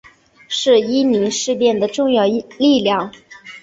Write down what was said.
是伊宁事变的重要力量。